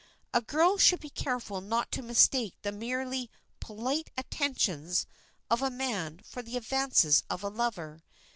A girl should be careful not to mistake the merely polite attentions of a man for the advances of a lover.